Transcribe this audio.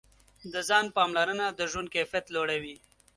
د ځان پاملرنه د ژوند کیفیت لوړوي.